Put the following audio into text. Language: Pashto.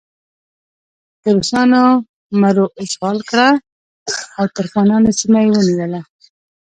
که روسانو مرو اشغال کړه او ترکمنانو سیمه یې ونیوله.